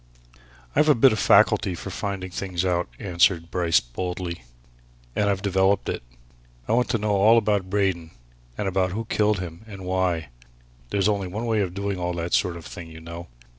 "I've a bit of a faculty for finding things out," answered Bryce boldly. "And I've developed it. I wanted to know all about Braden and about who killed him and why. There's only one way of doing all that sort of thing, you know.